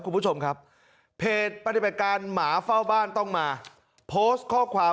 คุณผู้ชมครับเพจปฏิบัติการหมาเฝ้าบ้านต้องมาโพสต์ข้อความ